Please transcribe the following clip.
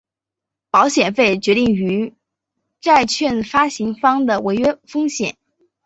保险费决定于债券发行方的违约风险。